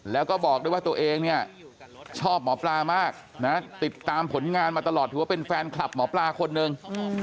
แล้วก็บอกด้วยว่าตัวเองเนี่ยชอบหมอปลามากนะติดตามผลงานมาตลอดถือว่าเป็นแฟนคลับหมอปลาคนหนึ่ง